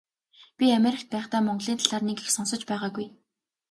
Би Америкт байхдаа Монголын талаар нэг их сонсож байгаагүй.